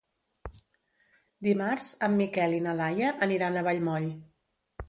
Dimarts en Miquel i na Laia aniran a Vallmoll.